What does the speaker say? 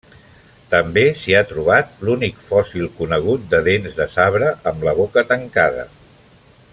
També s'hi ha trobat l'únic fòssil conegut de dents de sabre amb la boca tancada.